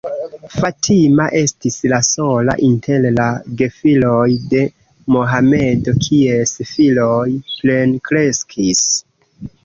Fatima estis la sola inter la gefiloj de Mohamedo, kies filoj plenkreskis.